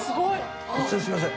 突然すいません。